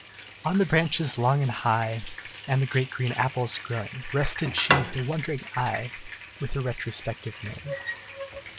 On the branches long and high, And the great green apples growing, Rested she her wandering eye, With a retrospective knowing.